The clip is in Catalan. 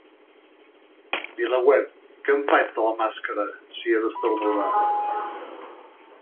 VilaWeb: Què en faig, de la màscara, si he d’esternudar?